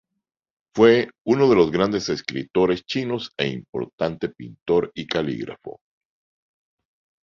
Fue uno de los grandes escritores chinos e importante pintor y calígrafo.